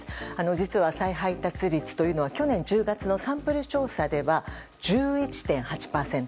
実は、再配達率というのは去年１０月のサンプル調査では１１．８％